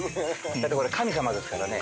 だってこれ神様ですからね。